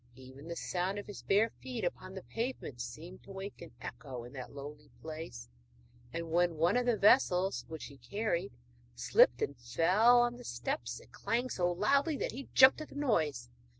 Even the sound of his bare feet upon the pavements seemed to wake an echo in that lonely place, and when one of the vessels which he carried slipped and fell upon the steps it clanged so loudly that he jumped at the noise.